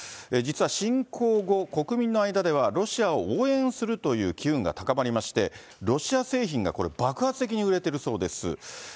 実は侵攻後、国民の間では、ロシアを応援するという機運が高まりまして、ロシア製品がこれ、爆発的に売れているそうです。